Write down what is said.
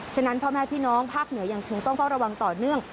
ฉะนั้นพ่อแม่พี่น้องภาคเหนือยังคงต้องเฝ้าระวังต่อเนื่อง